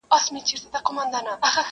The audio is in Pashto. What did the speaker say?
پښتانه لکه مګس ورباندي ګرځي٫